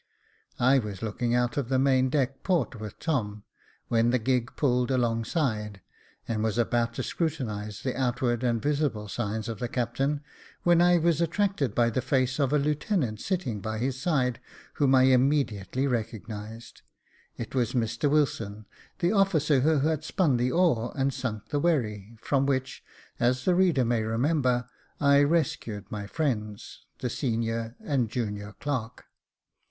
I was looking out of the maindeck port with Tom, when the gig pulled alongside, and was about to scrutinise the outward and visible signs of the captain, when I was attracted by the face of a lieutenant sitting by his side, whom I immediately recognised. It was Mr Wilson, the officer who had spun the oar and sunk the wherry, from which, as the reader may re member, I rescued my friends, the senior and junior clerk.